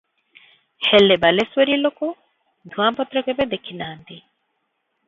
ହେଲେ ବାଲେଶ୍ୱରୀ ଲୋକେ ଧୂଆଁପତ୍ର କେବେ ଦେଖି ନାହାନ୍ତି ।